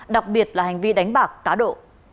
đặc biệt là hành vi đánh bạc cá độ